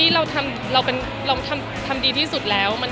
เราทำดีที่สุดแล้ว